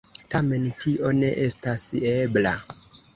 Tamen tio ne estas ebla.